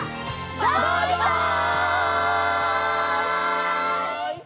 バイバイ！